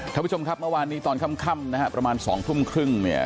ท่านผู้ชมครับเมื่อวานนี้ตอนค่ำนะฮะประมาณ๒ทุ่มครึ่งเนี่ย